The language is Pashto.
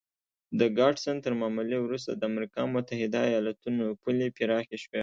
د ګاډسن تر معاملې وروسته د امریکا متحده ایالتونو پولې پراخې شوې.